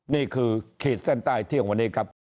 นี่คือเขตแสนใต้ที่ของวันนี้ครับ